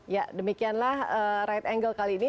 ya demikianlah right angle kali ini